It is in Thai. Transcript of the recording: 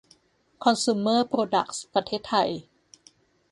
คอนซูมเมอร์ โปรดักส์ ประเทศไทย